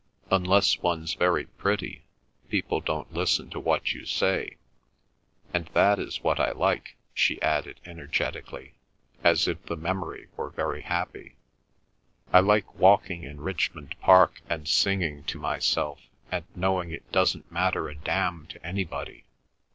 Unless one's very pretty people don't listen to what you say. ... And that is what I like," she added energetically, as if the memory were very happy. "I like walking in Richmond Park and singing to myself and knowing it doesn't matter a damn to anybody.